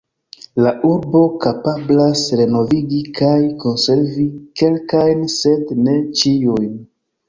La urbo kapablas renovigi kaj konservi kelkajn, sed ne ĉiujn.